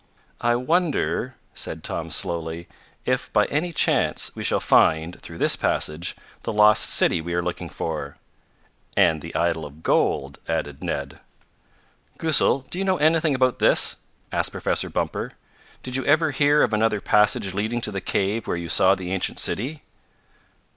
"I wonder," said Tom slowly, "if, by any chance, we shall find, through this passage, the lost city we are looking for." "And the idol of gold," added Ned. "Goosal, do you know anything about this?" asked Professor Bumper. "Did you ever hear of another passage leading to the cave where you saw the ancient city?"